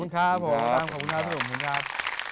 ขอบคุณมากครับ